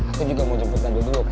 aku juga mau jemput tegang dulu kan